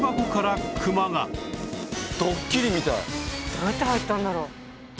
どうやって入ったんだろう？